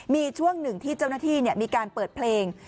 มีช่วงหนึ่งที่เจ้าหน้าที่มีการเปิดเพลง